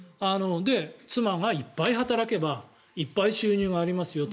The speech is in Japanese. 妻がいっぱい働けばいっぱい収入がありますよと。